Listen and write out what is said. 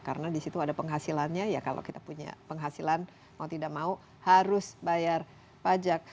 karena di situ ada penghasilannya ya kalau kita punya penghasilan mau tidak mau harus bayar pajak